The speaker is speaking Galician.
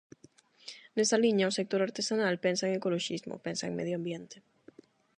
Nesa liña, o sector artesanal pensa en ecoloxismo, pensa en medio ambiente.